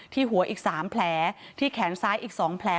หัวอีก๓แผลที่แขนซ้ายอีก๒แผล